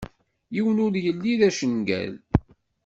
Yiwen ur yelli d acangal.